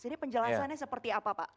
ini penjelasannya seperti apa pak